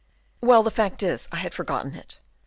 "Well, the fact is, I had forgotten it.